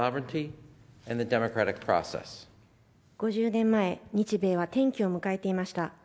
５０年前、日米は転機を迎えていました。